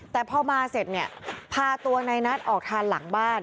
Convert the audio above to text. แต่พอมาเสร็จเนี่ยพาตัวในนัทออกทานหลังบ้าน